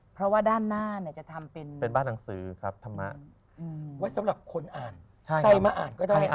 เพราะด้านหน้าจะเป็นบ้านหนังสือธรรมะ